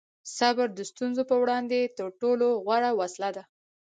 صبر د ستونزو په وړاندې تر ټولو غوره وسله ده.